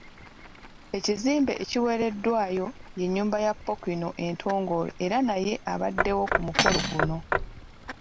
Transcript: Ekizimbe ekiweereddwayo ye nnyumba ya Pookino entongole era naye abaddewo ku mukolo guno.